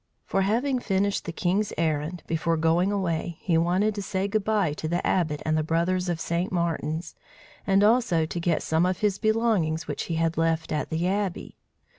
For, having finished the king's errand, before going away, he wanted to say good bye to the Abbot and brothers of St. Martin's, and also to get some of his belongings which he had left at the Abbey.